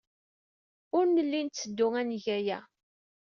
Ur nelli netteddu ad neg aya.